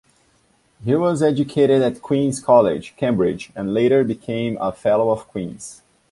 He was educated at Queens' College, Cambridge, and later became a Fellow of Queens'.